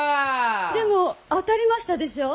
でも当たりましたでしょう？